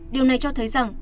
điều này cho thấy rằng